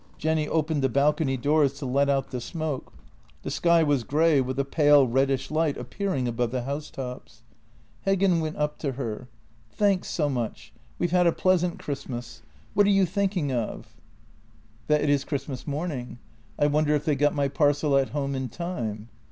Jenny opened the balcony doors to let out the smoke. The sky was grey, with a pale, reddish light ap pearing above the housetops. Heggen went up to her: " Thanks so much. We've had a pleasant Christmas. What are you thinking of? " JENNY 75 " That it is Christmas morning. I wonder if they got my parcel at home in time."